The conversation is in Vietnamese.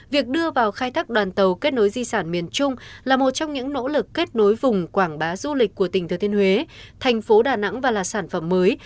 việc đưa vào khai thác đoàn tàu kết nối di sản miền trung là một trong những nỗ lực kết nối vùng quảng bá du lịch của tỉnh thừa thiên huế thành phố đà nẵng và là sản phẩm mới